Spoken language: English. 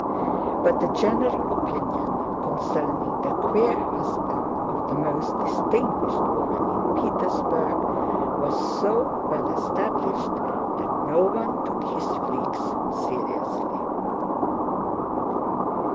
But the general opinion concerning the queer husband of "the most distinguished woman in Petersburg" was so well established that no one took his freaks seriously.